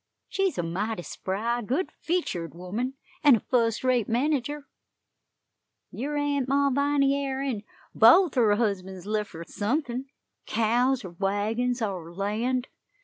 She's a mighty spry, good featured woman, an' a fust rate manager, yer Aunt Malviny air, an' both her husbands lef' her suthin cows, or wagons, or land.